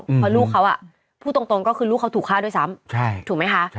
เพราะลูกเขาพูดตรงก็คือลูกเขาถูกฆ่าด้วยซ้ำถูกไหมคะ